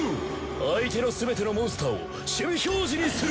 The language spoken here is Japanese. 相手のすべてのモンスターを守備表示にする！